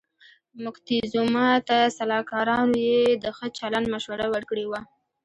موکتیزوما ته سلاکارانو یې د ښه چلند مشوره ورکړې وه.